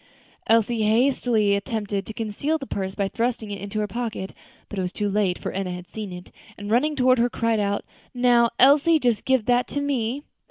Elsie hastily attempted to conceal the purse by thrusting it into her pocket, but it was too late, for Enna had seen it, and running toward her, cried out, "Now, Elsie, just give that to me!"